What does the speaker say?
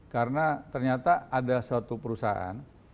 karena ternyata ada satu perusahaan